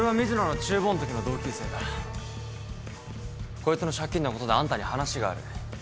こいつの借金のことであんたに話がある。